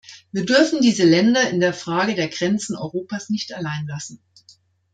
Wir dürfen diese Länder in der Frage der Grenzen Europas nicht allein lassen.